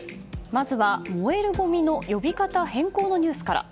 まずは、燃えるごみの呼び方変更のニュースから。